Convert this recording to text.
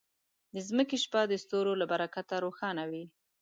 د ځمکې شپه د ستورو له برکته روښانه وي.